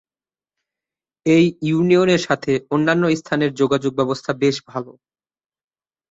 এই ইউনিয়নের সাথে অন্যান্য স্থানের যোগাযোগ ব্যবস্থা বেশ ভালো।